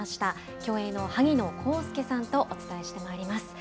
競泳の萩野公介さんとお伝えしてまいります。